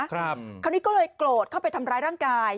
คราวนี้ก็เลยโกรธเข้าไปทำร้ายร่างกาย